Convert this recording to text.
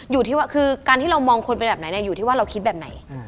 อยู่ที่ว่าคือการที่เรามองคนเป็นแบบไหนอยู่ที่ว่าเราคิดแบบไหน